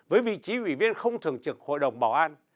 với vị trí ủy viên không thường trực hội đồng bảo an